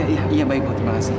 iya iya baik terima kasih